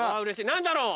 何だろう？